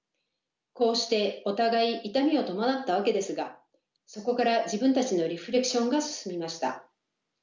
こうしてお互い痛みを伴ったわけですがそこから自分たちのリフレクションが進みました。